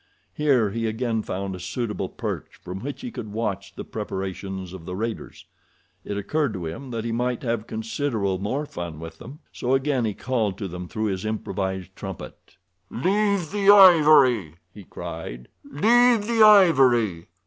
Here he again found a suitable perch from which he could watch the preparations of the raiders. It occurred to him that he might have considerable more fun with them, so again he called to them through his improvised trumpet. "Leave the ivory!" he cried. "Leave the ivory!